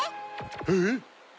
えっ！